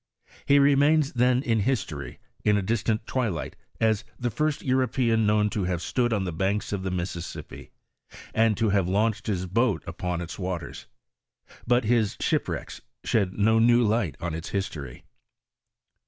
He remains then in history, in a distant twilight, as the first European known to have stood on the banks of the Mississippi, and to have launched his boat upon its waters ; but his " shipwrecks" shed no new light on its history.